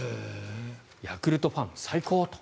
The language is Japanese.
ヤクルトファン、最高！と。